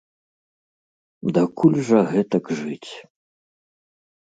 Дакуль жа гэтак жыць!